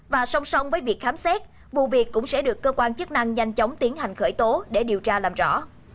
và song song với việc khám xét vụ việc cũng sẽ được cơ quan chức năng nhanh chóng tiến hành khởi tố để điều tra làm rõ